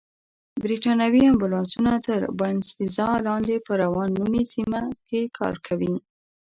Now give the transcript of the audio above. بریتانوي امبولانسونه تر باینسېزا لاندې په راون نومي سیمه کې کار کوي.